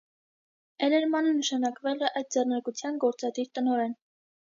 Էլերմանը նշանակվել է այդ ձեռնարկության գործադիր տնօրեն։